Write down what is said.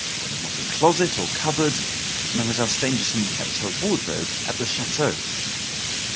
There was not a closet or cupboard. Mademoiselle Stangerson kept her wardrobe at the chateau.